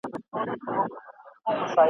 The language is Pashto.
څه د اوس او څه زړې دي پخوانۍ دي ..